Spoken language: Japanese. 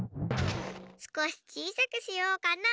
すこしちいさくしようかな。